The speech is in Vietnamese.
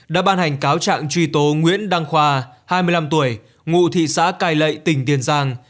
đã ban hành cáo trạng truy tố nguyễn đăng khoa hai mươi năm tuổi ngụ thị xã cai lậy tỉnh tiền giang